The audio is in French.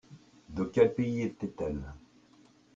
De quel pays était-elle ?